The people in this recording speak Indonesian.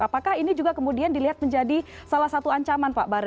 apakah ini juga kemudian dilihat menjadi salah satu ancaman pak baru